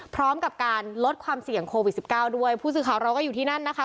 พร้อมกับการลดความเสี่ยงโควิดสิบเก้าด้วยผู้สื่อข่าวเราก็อยู่ที่นั่นนะคะ